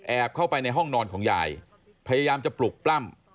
เข้าไปในห้องนอนของยายพยายามจะปลุกปล้ำ